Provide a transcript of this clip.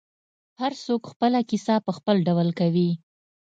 هر څوک خپله کیسه په خپل ډول کوي.